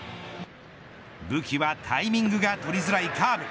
武器はタイミングが取りづらいカーブ。